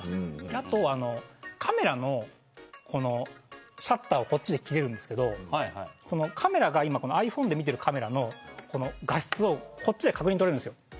あとはカメラのシャッターをこっちできれるんですけどカメラがｉＰｈｏｎｅで見ているカメラの画質をこっちで確認、取れるんです。